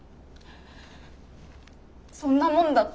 そんなもんだった？